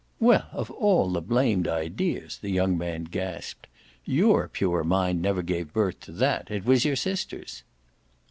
"Well, of all the blamed ideas !" the young man gasped. "YOUR pure mind never gave birth to that it was your sister's."